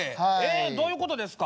どういうことですか？